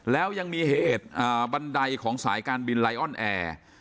แล้วยังมีเหตุบันไดของสายการบินไลออนแอร์